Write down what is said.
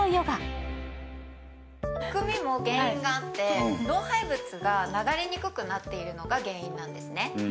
むくみも原因があって老廃物が流れにくくなっているのが原因なんですね。